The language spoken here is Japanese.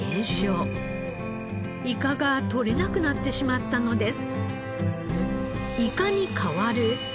イカが取れなくなってしまったのです。